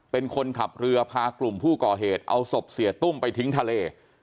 เป็นคนขับเรือพากลุ่มผู้ก่อเหตุเอาศพเสียตุ้มไปทิ้งทะเล